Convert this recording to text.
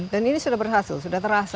dan ini sudah berhasil sudah terasa